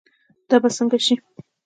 دا به سنګه شي